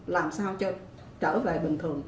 làm sao cho trở về bình thường